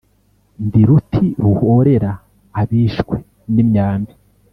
Ndi ruti ruhorera abishwe n'imyambi